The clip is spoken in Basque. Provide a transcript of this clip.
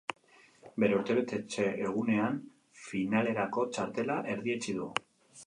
Bere urtebetetze egunean finalerako txartela erdietsi du.